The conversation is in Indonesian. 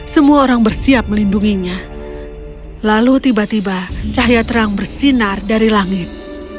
semua orang bersiap melindunginya lalu tiba tiba cahaya terang bersinar dari langit